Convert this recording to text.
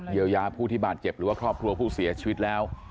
ยายาผู้ที่บาดเจ็บหรือว่าครอบครัวผู้เสียชีวิตแล้ว